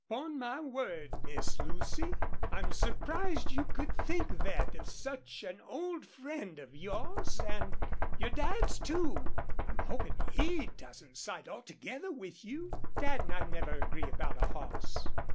"'Pon my word, Miss Lucy, I'm surprised you could think thet of such an old friend of yours an' your Dad's, too. I'm hopin' he doesn't side altogether with you." "Dad and I never agree about a horse.